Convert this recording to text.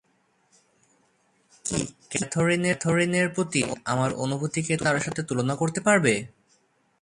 তুমি কি ক্যাথরিনের প্রতি আমার অনুভূতিকে তার সাথে তুলনা করতে পারবে?